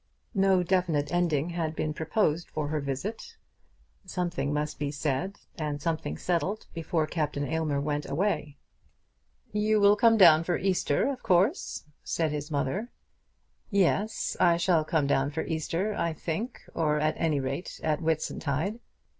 No definite ending had been proposed for her visit. Something must be said and something settled before Captain Aylmer went away. "You will come down for Easter, of course," said his mother. "Yes; I shall come down for Easter, I think, or at any rate at Whitsuntide."